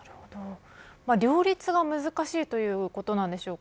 両立が難しいということなんでしょうか。